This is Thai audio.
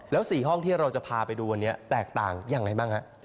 แล้ว๔ห้องที่เราจะพาไปดูวันนี้แตกต่างยังไงบ้างฮะ